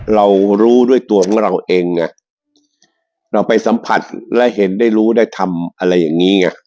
เรารู้ด้วยตัวของเราเองไงเราไปสัมผัสและเห็นได้รู้ได้ทำอะไรอย่างนี้ไง